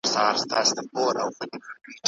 والي څخه، د هغې ژبي ډيري کلمې په خپله ژبه کي